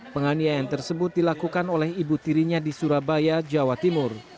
penganiayaan tersebut dilakukan oleh ibu tirinya di surabaya jawa timur